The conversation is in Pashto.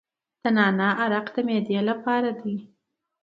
عرق نعنا د معدې لپاره دی.